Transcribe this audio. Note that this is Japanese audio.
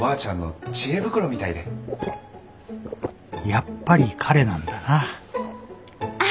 やっぱり彼なんだなあ！